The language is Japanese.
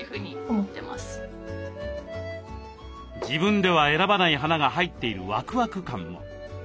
自分では選ばない花が入っているワクワク感も。